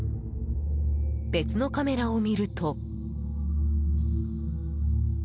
別のカメラを見ると。